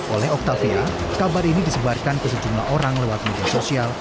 oleh octavia kabar ini disebarkan ke sejumlah orang lewat media sosial